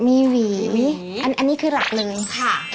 มีแหนบมีหวีอันนี้คือหลักหนึ่งค่ะ